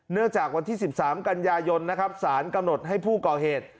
เนื่องจากวันที่๑๓กันยายนสารกระหนดให้ผู้ก่อเหตุ